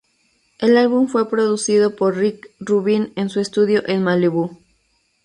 El álbum fue producido por Rick Rubin en su estudio en Malibú.